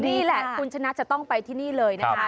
นี่แหละคุณชนะจะต้องไปที่นี่เลยนะคะ